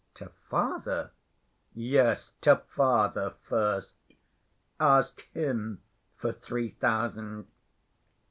"To father?" "Yes, to father first. Ask him for three thousand."